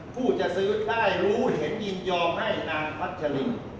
ผู้จะซื้อได้รู้เห็นยินยอมให้นางพัชลิน